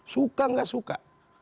suka gak suka